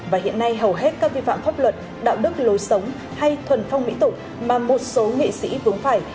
và hiện nay hầu hết các vi phạm pháp luật đạo đức lối sống hay thuần phong mỹ tục mà một số nghệ sĩ vướng phải